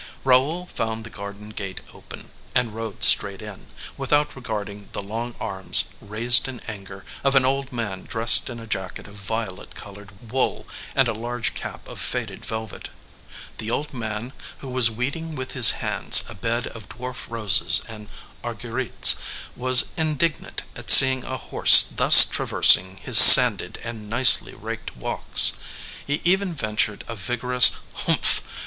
Raoul found the garden gate open, and rode straight in, without regarding the long arms, raised in anger, of an old man dressed in a jacket of violet colored wool, and a large cap of faded velvet. The old man, who was weeding with his hands a bed of dwarf roses and arguerites, was indignant at seeing a horse thus traversing his sanded and nicely raked walks. He even ventured a vigorous "Humph!"